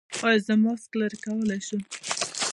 ایا زه ماسک لرې کولی شم؟